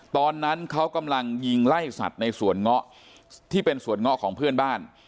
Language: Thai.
ตอนนั้นเขากำลังยิงไล่สัตว์ในสวนเงาะที่เป็นสวนเงาะของเพื่อนบ้าน